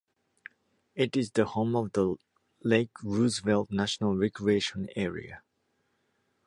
It is the home of the Lake Roosevelt National Recreation Area.